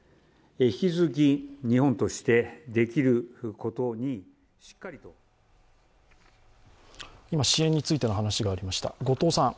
引き続き日本としてできることにしっかりと今、支援についての話がありました。